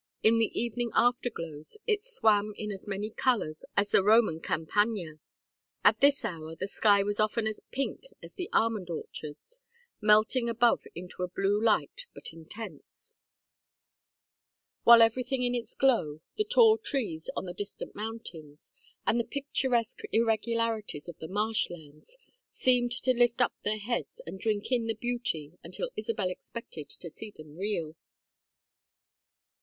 In the evening afterglows it swam in as many colors as the Roman Campagna. At this hour the sky was often as pink as the almond orchards, melting above into a blue light but intense; while everything in its glow, the tall trees on the distant mountains, and the picturesque irregularities of the marsh lands, seemed to lift up their heads and drink in the beauty until Isabel expected to see them reel.